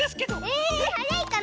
えはやいかな？